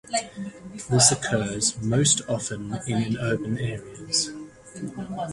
This occurs most often in urban areas.